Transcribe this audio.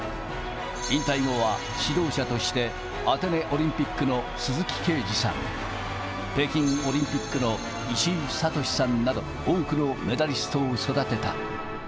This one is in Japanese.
引退後は指導者としてアテネオリンピックの鈴木桂治さん、北京オリンピックの石井慧さんなど多くのメダリストを育てた。